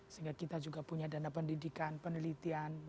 sehingga kita juga punya dana pendidikan penelitian